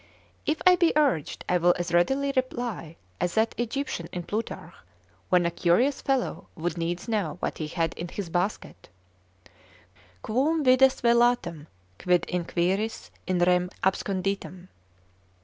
If I be urged, I will as readily reply as that Egyptian in Plutarch, when a curious fellow would needs know what he had in his basket, Quum vides velatam, quid inquiris in rem absconditam?